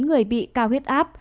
người bị cao huyết áp